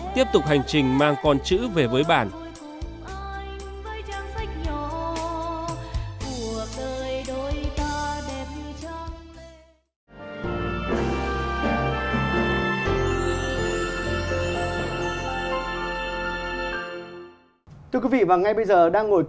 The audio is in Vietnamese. tiếp tục hành trình mang con chữ về với bản